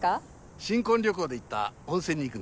新婚旅行で行った温泉に行くんです。